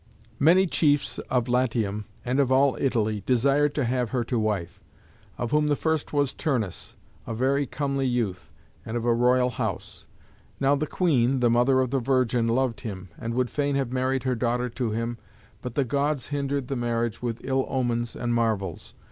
Many chiefs of Latium, and of all Italy, desired to have her to wife; of whom the first was Turnus, a very comely youth, and of a royal house. Now the queen, the mother of the virgin, loved him, and would fain have married her daughter to him, but the Gods hindered the marriage with ill omens and marvels.